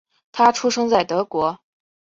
他出生在德国。